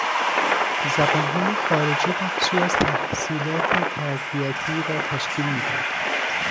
زبانهای خارجی بخشی از تحصیلات تربیتی را تشکیل میداد.